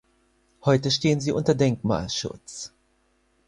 Heute stehen sie unter Denkmalschutz.